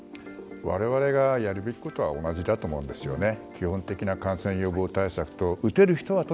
我々がやるべきことは同じだと思うんですよね。